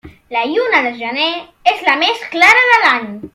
La lluna de gener és la més clara de l'any.